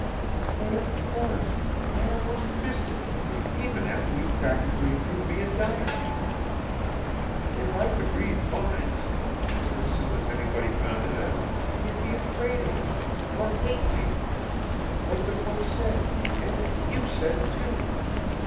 "But of course. I almost missed it, even after you practically drew me a diagram. If I could read minds, just as soon as anybody found it out, he'd be afraid of me, or hate me, like the book said, and you said, too.